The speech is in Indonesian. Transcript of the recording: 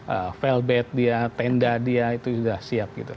ee felbet dia tenda dia itu sudah siap gitu